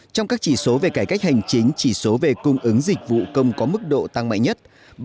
trong các chỉ số về cải cách hành chính chỉ số về cung ứng dịch vụ công có mức độ tăng mạnh nhất